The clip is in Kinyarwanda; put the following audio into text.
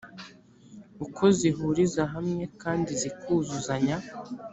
uko zihuriza hamwe kandi zikuzuzanya